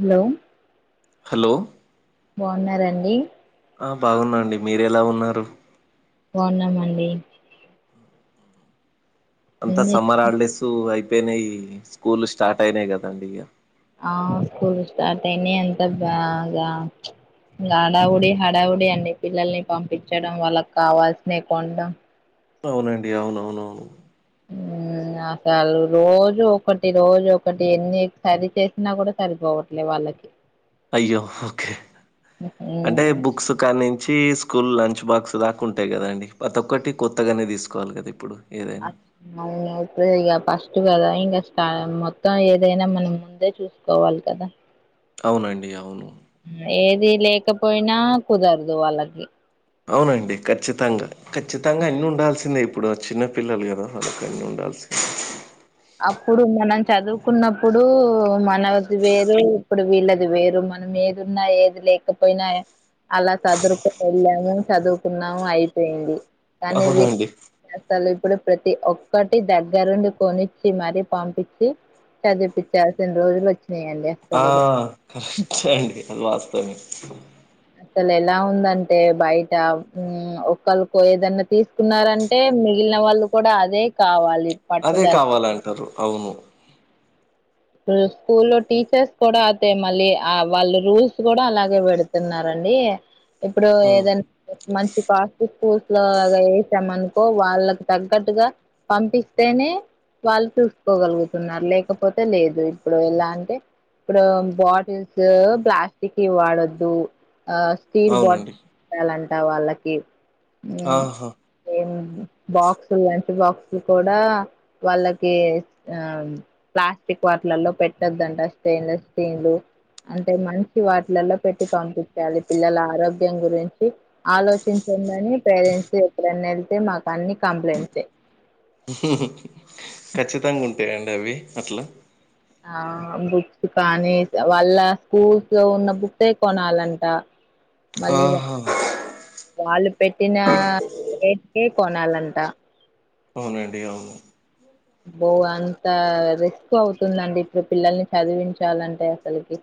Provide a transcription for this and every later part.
Hello hello బాగున్నారండి ఆ బాగునండి మీరు ఎలా ఉన్నారు బావున్నామండి అంతా సమ్మర్ చేస్తు హాలిడేస్ అయిపోయినాయి స్కూల్ స్టార్ట్ అయినాయి కదండి ఇగా ఆ స్కూల్ స్టార్ట్ అయిన అంత బాగా హడావుడి హడావుడి అండి పిల్లల్ని పంపించడం వాళ్ళకి కావాల్సినవి కొనడం అవునండి అవునవునవును ఉమ్ అసలు రోజు ఒకటి రోజు ఒకటి ఎన్ని సరి చేసినా కూడా సరిపోవట్లేదు వాళ్ళకి అయ్యో ఓకే అంటే ఉమ్ బుక్స్ కానుంచి స్కూల్ లంచ్ బాక్స్ దాకా ఉంటాయి కదండి ప్రతి ఒక్కటి కొత్తగానే తీసుకోవాలి కదా ఇప్పుడు ఏదైనా అం అవును ఇక ఫస్ట్ కదా ఇంక స్ట మొత్తం ఏదైనా మనం ముందే చూసుకోవాలి కదా అవునండి అవును. ఏది లేకపోయినా కుదర్దు వాళ్ళకి అవునండి ఖచ్చితంగ ఖచ్చితంగా అన్ని ఉండాల్సిందే ఇప్ ఇప్పుడు ఆ చిన్నపిల్లల్ కదా వాళ్ళకన్నీ ఉండాల్సిం అప్పుడు మనం చదువుకున్నప్పుడూ మనది వేరే ఇప్పుడు వీళ్ళది వేరు మనం ఏదున్నా ఏది లేకపోయినా అలా సదురుకొ వెళ్ళాము చదువుకున్నాము, అయిపోయింది. కానీ వి అవునండి అసల్ ఇప్పుడు ప్రతి ఒక్కటి దగ్గరుండి కొని చ్చి మరి పంపిచ్చి చదిపిచ్చాల్సిన రోజులు వచ్ ఆ కరెక్టే అండి అది వాస్తవమే అసల్ ఎలా ఉందంటే బైట మ్ ఒకల్కో ఏదన్న తీసుకున్నారంటే మిగి లిన వాళ్ళు కూడా అదే కావాల్ అదే కావాలంటరు అవును. స్కూల్లో టీచర్స్ కూడా అతే మళ్ళీ ఆ వాళ్ళు రూల్స్ కూడా అలాగే పెడుతున్నారం డీ ఇప్పుడు ఉమ్, ఏదన్న మంచి కాస్ట్లీ స్కూల్ లో అలా ఏసామనుకో వాళ్ళక్ తగ్గట్టుగా పంపిస్తేనే వాళ్ళు చూస్కోగలుగుతున్నారు లేకపోతే లేదు ఇప్పుడు ఎలా అంటే ఇప్పుడు బాటిల్స్ ప్లాస్టికీ వాడద్దు. ఆ స్టీల్ బాటిల్ అవునండి పెట్టాలంట వాళ్ళకి ఆహా ఏం బాక్సులు లంచ్ బాక్సులు కూడా వాళ్ళకి ఆ ప్లాస్టిక్ వాాటిలల్లో పెట్టద్దంట స్టెయిన్లెస్ స్టీన్లు అంటే మంచి వాటిలలో పెట్టి పంపిచ్చాలి. పిల్లల ఆరోగ్యం గురించి ఆలోచించ ఉందని పేరెంట్స్ డే ఎప్పుడన్న ఎళ్తే మాక్ అన్ని కంప్లైంట్సే ఖచ్చితంగ ఉంటయండి అవి అట్ల బుక్స్ కానీ వాళ్ళ స్కూల్స్లో ఉన్న బుక్సే కొనాలంట. మళ్ళీ వ ఆహా వాళ్ళు పెట్టినా రేట్కె కొనాలంట. అవునండి అవును. బో అంత రిస్క్ అవుతుందండి ఇప్పుడు పిల్లల్ని చదివించాలంటే అసల్కి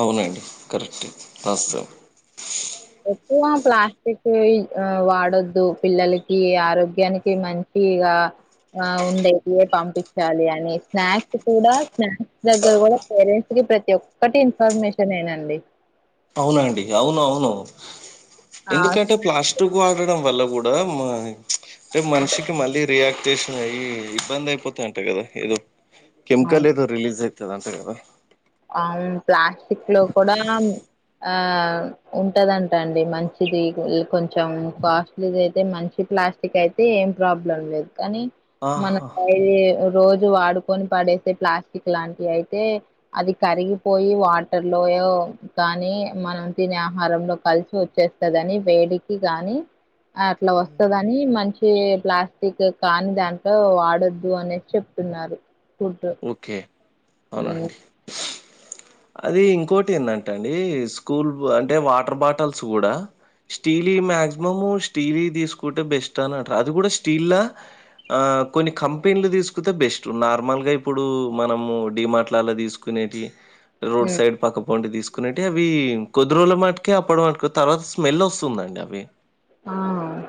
అవునండి కరెక్టే రాస్తాం. ఎక్కువ ప్లాస్టిక్ ఇ వాడద్దు పిల్లలకి ఆరోగ్యానికి మం ఈగా ఆ ఉండేదే పంపిచ్చాలి అని స్నాక్స్ కూడా స్నాక్స్ దగ్గర కూడా పేరెంట్స్ కి ప్రతి ఒక్కటి ఇన్ఫర్మేషనే నండి. అవునండి అవున్ అవును. ఆ ఎందుకంటే ప్లాస్టిక్ వాడడం వల్ల గుడా మా అంటే మనిషికి మళ్ళీ రియాక్ట్ క్టేషనై ఇబ్బందైపోత అంటా కదా ఏదో అవును కెమికల్ ఏదో రిలీస్ అయి తదంట కదా అవును ప్లాస్టిక్ లో కూడా ఆ ఉంటదంట అండి మంచిది కొంచం కాస్ట్లీది అయితే మంచి ప్లాస్టిక్ అయితే ఏం ప్రాబ్లం లేదు కనీ ఆహా మనకయ్యో రోజ్ జు వాడుకొని పడేసే ప్లాస్టిక్ లాంటి అయితే అది కరిగిపోయి వాటర్ లోయో కానీ మనం తినే ఆహారంలో కలిసి వచ్చేస్ స్తదని వేడికి గాని అట్ల వస్తదని మంచి ఏ ప్లాస్టిక్ కానీ దాంట్లో వాడొద్దు అనేస్ చెప్తున్నారు. ఫుడ్ ఓకే హ్మ్. అవునండి అది ఇంకోటి ఏందంటె అండి స్కూల్ అంటే వాటర్ బాటల్స్ కూడా స్టీల్ మాక్సిమము స్టీలి తీసుకుంటే బెస్ట్ అని అంటారు అది కూడా స్టీల్లా ఆ కొన్ని కంపెనీలు తీసుకుంటే బెస్ట్ నార్మల్ గా ఇ ఇప్పుడు మనము డిమాట్లలా తీసుకునేటి రోడ్ హ్మ్. సైడ్ పక్కపోంటి తీసుకు కొనేటే అవి కొద్ది రోజులు మట్టుకే అప్పటి వారికే తర్వాత స్మెల్ వస్తుందండి అవి ఆ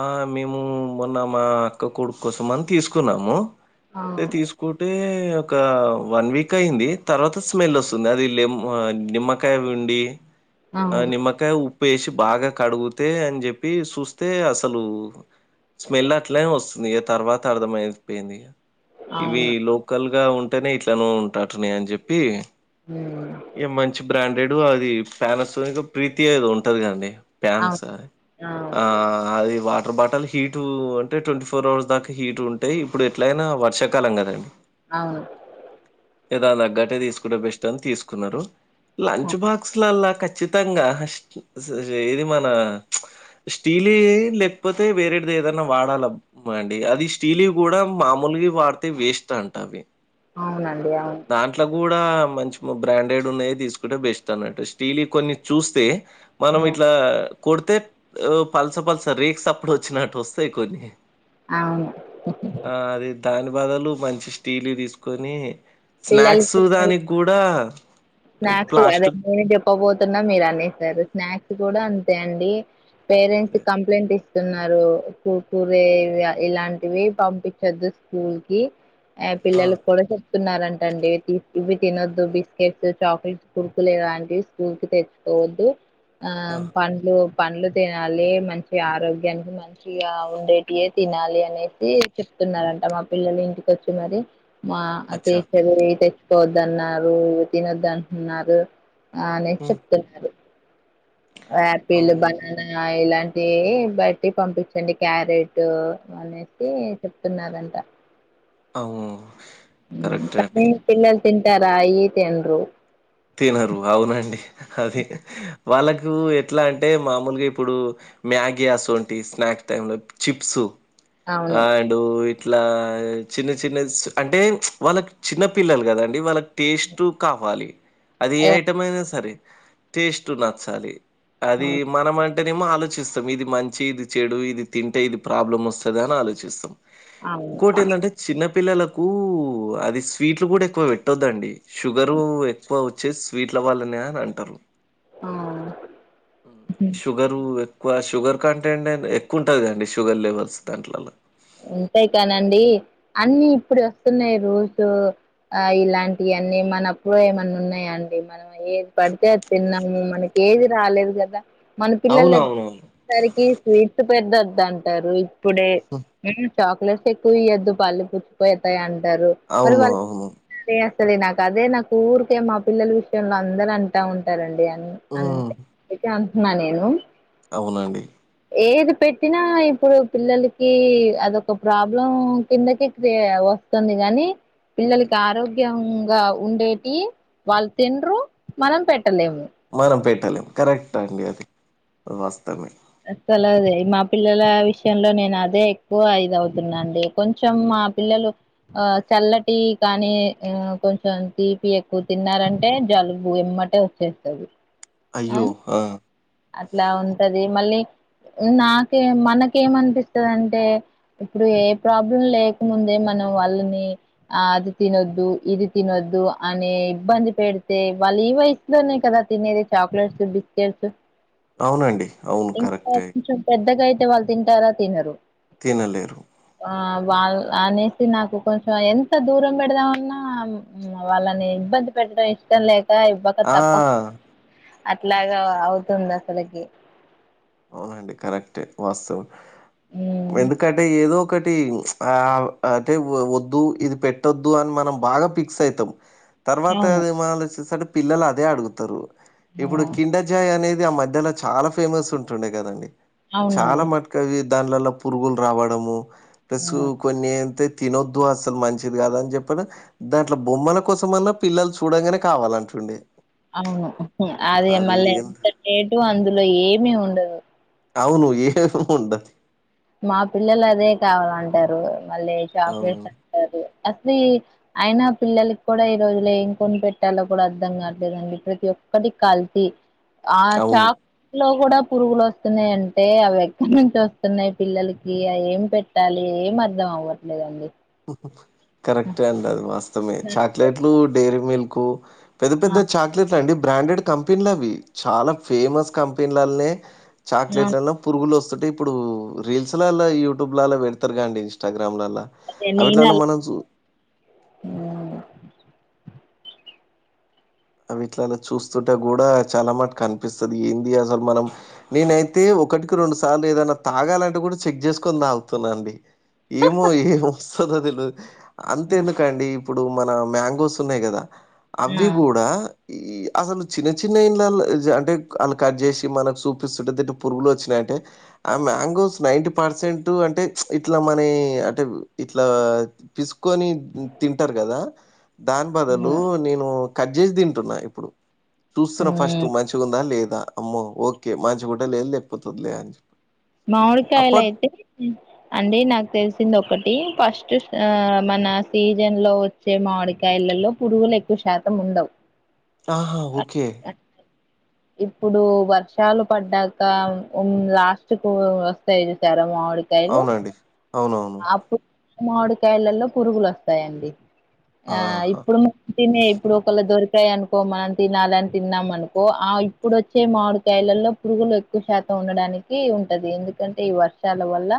ఆ మీ ఆ మొన్న మా అక్క కొడుకు కోసం అని తీసుకున్నాము ఆ అదీ ఒక వన్ వీక్ అయింది తర్వాత స్మెల్ వస్తుంది అది లేం నిమ్మకాయ డి ఆ అవును నమ్మకాయ ఉ ఊపేసి బాగా కడుగుతే అని చెప్పి చూస్తే అసలు స్మెల్ అట్లనే వస్తుంది ఇగ తర్వాత అర్థమయిపోయింది ఇవి అవును లోకల్ గా ఉంటేనే ఇట్లనో ఉంట అటనే అని చెప్పి హ్మ్ ఇగ మంచి బ్రాండెడ్ అది ప్యానస్ ప్రీతి అది ఉంటది గండి ప్యాన్స్ అవును ఆ అవును అది వా ఇపుడు బటల్ హీటు అంటే ట్వంటీ ఫోర్ అవర్స్ దాకా హీట్ ఉంటయి ఇప్పుడు ఎట్లయినా వర్షాకాలం కదండి అవును ఏదాల గ్గట్టిది తీసుకుంటె బెస్ట్ అని తీసుకున్నారు అ లంచ్ బాక్స్లల్లా ఖచ్చితంగా ఇది మన స్టీలి లేకపోతే వేరేటిది ఏదనా వాడాల అండి అది స్టీలి కూడా మామూలు స్టీలీ వాడ్తే వేస్ట్ అంట అవి అవునండి అవును దాంట్లో మంచి బ్రాండెడ్ ఉన్నాయి తీసుకుంటే బెస్ట్ అన్నట్టు స్టీల్వి కొన్ని చూస్తే మనం హ్మ్. ఇట్లా కొడితే పలస పలస రేక్స్ చప్పుడు వచ్చినట్టు వస్తాయి కొన్ని అవును ఆ అది దాని బదలు మంచి స్టీల్ తీసుకొని పిల్లలకి స్నాక్స్ పిల్లలకి దానికి కూడా స్నాక్స్ అదే ప్లాస్టిక్ నేనే చెప్పబోతున్నా మీరు అనేశరు స్నాక్స్ తు కూడా అంతే అండి పేరెంట్స్ అదే కంప్లైంట్ ఇస్ తున్నారు కుర్కురే ఇలాంటివి పంపించొద్దు స్కూల్ కి ఏ ఆ పిల్లలకు కూడా చెప్తున్నారం రండి ఇవి తినొద్దు బిస్కెట్స్ చాక్లెట్ కుర్కురే ఇలాంటివి స్కూల్ కి తెచ్చుకోవద్దు ఆ పండ్లు పండ్లు తినాలి మంచి ఆరోగ్యానికి మంచిగా ఉండేటియే తినాలి అనేసి చెప్ తున్నారంట మా పిల్లలు ఇంటి కొచ్చి మరి మా అచ్చా టీచర్వి తెచ్చిపోవద్దన్నారు ఇ తినొద్దంటున్నారు ఆనే హ్మ్ చెప్తున్నారు యాపిల్ అవును బననా ఇలా అది బట్టి పంపించండి క్యారెట్ అనేసి చెప్తున్నారంట అవు పిల్లలు తింటారా అయి తిన్రు తినరు అవునండి అది వాళ్ళకు ఎట్లా అంటే మామూలుగా ఇప్పుడు మ్యాగీ ఆస్వన్టివి స్నాక్ టైమ్ లో చిప్స్ అవును ఆండు ఇట్లా చిన్న చిన్న స్ అంటే వాళ్ళకి చిన్న పిల్లలు కదండి వాళ్ళకి టేస్ట్ కా అది ఏ ఐటం అయినా సరే టేస్ట్ నచ్చాలి అది అవును మనం అం టేనేమో ఆలోచిస్తాం ఇది మంచి ఇది చెడు ఇది తింటే ఇది ప్రాబ్లమ్ వస్తుంది అని ఆలోచిస్తాం అవును ఇంకోటి ఎందండే చిన్న పిల్లలకు అది స్వీట్లు కూడా ఎక్కువ పెట్టొద్దండి షుగరు ఎక్కువ వచ్చేసీ స్వీట్ల వళ్ళనే అని అంటారు అవును షుగరు ఎక్వ షుగర్ కంటెంట్ అ ఎక్కువుంటది కదండీ షుగర్ లెవెల్స్ దాంట్లల అంతేకాదండి అన్ని ఇప్పుడు వస్తున్నాయి రోజు ఆ ఇలాంటి నీ మనకు ఏమన్నా ఉన్నాయాండి మనం ఏది పడితే అది తిన్నాము మనకి ఏది రాలేదు కదా మన పిల్లల దగ్గర అవునవునవును. వచ్చేసరికి స్వీట్స్ పెటోదంటారు ఇప్పుడే హ్మ్. చాక్లెట్స్ ఎక్కువ ఇయద్దు పళ్ళు పుచ్చిపోతాయి అంటారు మరి అవును వాళ్ళ అవును. అసలు నాకు అదే నా ఊరికే మా పిల్లల విషయంలో అందరు అంటా ఉంటారండి అంతే హ్మ్ అందుకే అంటున్నా నేను అవునండి ఏది పెట్టినా ఇప్పుడు పిల్లలకి అదొక ప్రాబ్లం కిందకి వస్తుంది గానీ పిల్లలకి ఆరోగ్యంగా ఉండేటి వాళ్ళు తినరు మనం పెట్టలేము మనం పెట్టలేం కరెక్ట్ అండి అది వాస్తవే అసలా మా పిల్లల విషయంలో నేను అదే ఎక్కువ ఇదవుతున్నడి కొంచెం మా పిల్లలు ఆ చల్లటి కానీ ఆ కొంచెం తీపి ఎక్కువ తిన్నారంటే జలుబు ఏమటే వచ్చేస్తది అయ్యో అవును ఆ అట్లా ఉంటది మళ్ళీ నాకే మనకేమనిపిస్తుంది అంటే ఇప్పుడు ఏ ప్రాబ్లం లేకముందే మ నం వాళ్ళని ఆ అది తినొద్దు ఇది తినొద్దు అని ఇబ్బంది పెడితే వాళ్ళ ఈ వయసులోనే కదా తినేది చాక్లెట్స్ బిస్కెట్స్ అవునండి. అవును ఇంకా కరెక్టే. కొంచెం పెద్దగా అయితే వాళ్ళు తింటారా తినరు తినలేరు ఆ వాళ్ళ అనేసి నాకు కొంచెం ఎంత దూరం పెడదామన్నా వాళ్ళని ఇబ్బంది పెడ ఇష్టం లేక్ క ఇవ్వక ఆ! తప్ప అట్లాగా అవుతుంది అసలకి అవునండి కరెక్టే వాస్తవం ఉమ్ ఎందుకంటే ఏదో ఒకటి ఆ అంటే వద్దు ఇది పెట్టొద్దు అని మనం బాగా ఫిక్స్ అయితాం తర్వాత అవును ఏమనేసి అంటే పిల్లలు అదే అడుగుతారు ఇప్పుడు ఆ కిండర్జోయ్ అనేది ఆ మధ్యలో చాలా ఫేమస్ ఉంటుండే కదండి అవునండి చాలా మట్కయే దానిలలో పురుగులు రావడము ప్లస్ హ్మ్. కొన్ని అయితే తినొద్దు అసలు మంచిది కాదు అని చెప్పడు దాంట్లో బొమ్మల కోసం అన్నా పిల్లలు చూడంగానే కావాలంటుండి అవును అది మళ్ళ ఎంత రేటు అందులో ఏమి ఉండదు అవును ఏం ఉండదు మా పిల్లలు అదే కావాలంటారు మళ్ళీ అవును. చాక్లెట్స్ అంటారు అసలు ఆయిన పిల్లలకి కూడా ఈ రోజులు ఏం కొనిపెట్టాలో కూడా అర్ధం కట్లేదండి ప్రతి ఒక్క టి కల్పి ఆ అవును. చాక్లెట్లు కూడా పురుగులు వస్తున్నాయంటే అవి ఎక్కడ నుంచి వస్తున్నాయి పిల్లలకి ఏం పెట్టాలి ఏం అర్ధం అవ్వట్లేదండి కరెక్ట్ ఏ అండి అది వాస్తమే చాక్లెట్లు డెయిరీ మిల్క్ పెద్ద ఆ! పెద్ద చాక్లెట్ల అండి బ్రాండెడ్ కంపెనీలు అవి చాలా ఫేమస్ కంపెనీలనే ఆ! చాక్లెట్లలో పురుగులు వస్ స్తుంటే ఇప్పుడు రీల్స్లాలా యూట్యూబ్ లా పెడతారు గా అండి ఇన్స్టాగ్రామ్లలా అదే నేను అవిట్లాలో అలా మన చు హ్మ్. అ వీటిలలా చూస్తుంటే కూడా చాలా మటు కనిపిస్తది ఏంది అసలు మనం నేనైతే ఒకటికి రెండు సార్లు ఏదైనా తాగాలంటే కూడా చెక్ చేసుకొని తాగుతున్నాండి ఏమో ఏమో వస్తదొ తెలువది అంతెందుకండి ఇప్పుడు మన మ్యాంగోస్ ఉన్నాయి కదా ఆ ఈ అసలు చిన్న చిన్న ఇండ్లల అంటే అ కట్ చేసి మనకు చూపిస్తుంటే దిన్టో పు లు వచ్చినాంటే ఆ మంగోస్ నైన్టి పర్సెంట్ అంటే ఇట్లా మనయి అంటే డా పిసు కొని తింటారు కదా దాని ఆ! బదులు నేను కట్ చేసి తింటున్నా ఇప్పుడు చూస్తున్నా ఫస్ట్ మ్మ్ మంచిగా ఉందా లేదా అమ్మో ఓకే మంచిగుంటే లేదా లేక పోతే లేదా అని చెప్ప మామిడికాయలు అయితే అండి నాకు తెలిసింది ఒకటి ఫస్ట్ ఆ మన సీజన్ లో వచ్చే మామిడికాయలలో పురుగులు ఎక్కువ శాతం ఉండవు ఆహా ఓకే ఇప్పుడు వర్షాలు పడ్డాక లాస్ట్ కు వస్తాయి చూసారా మా అవునండి అవును ఆప్పు మాడికాయలలో పురుగులు వస్తాయండి ఆ ఆహా ఇప్పుడు మంచినే ఇప్పుడు ఒకళ దొరికి తయ్ అనుకో మనం తినాలని తిన్నాం అనుకో ఇప్పుడు వచ్చే మామిడుకాయలలో పురుగులు ఎక్కువ శాతం ఉండడానికి ఉంటది ఎందుకంటే ఈ వర్షాల వల్ల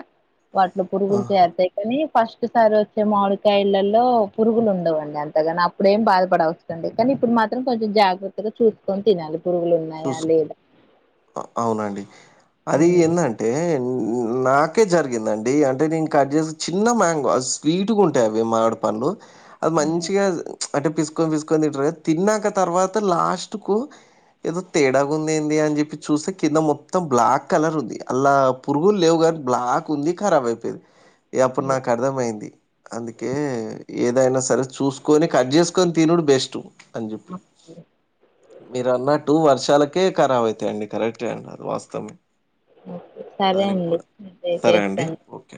వాటిలో పురుగులు ఆహా కాని ఫస్ట్ సారి వచ్చే మామిడికాయళ్లలో పురుగులు ఉండవండి అంతగాన అప్పుడేం బాధపడవస కానీ ఇప్పుడు మాత్రం కొంచెం జాగ్రత్తగా చూసుకొని తినాలి పురుగులు ఉన్నాయా చూసు లేదా అవునండి అది ఉమ్ ఏందంటే ఉ నాకే జరిగిందండి అంటే నేను కట్ చేసే చిన్న మ్యాంగో అవి స్వీట్గా ఉంటాయి అవి మామిడి పంలు అది మంచిగా అంటే పిసుకొని పిసుకొని తింటారు తిన్నాక తర్వాత లాస్ట్ కు ఏదో తేడా గుంది ఏంది అన్ జెప్పి చూస్తే కింద మొత్తం బ్లాక్ కలర్ ఉంది అలా పురుగులు లేవు ని బ్లాక్ ఉంది ఖరాబ్ అయిపోయిది అప్పుడు ఉమ్ నాకు అర్థమైంది అందుకే ఏదైనా సరే చూసుకొని కట్ చేసుకొని తినుడు బెస్ట్ అని చెప్పి మీరున్నట్టు వర్షాలకే ఖరాబ్ అయితాయండి కరెక్టే అండి అది వాస్తవమే సరే దానికి అండి కూడా. చె సరే అండి చేస్తాను ఓకే.